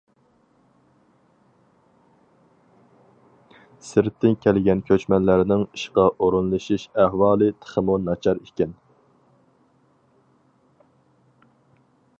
سىرتتىن كەلگەن كۆچمەنلەرنىڭ ئىشقا ئورۇنلىشىش ئەھۋالى تېخىمۇ ناچار ئىكەن.